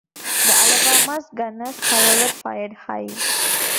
The "Alabama's" gunners, however, fired high.